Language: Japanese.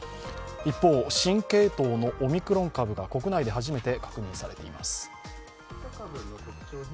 一方、新系統のオミクロン株が国内で初めて確認されています。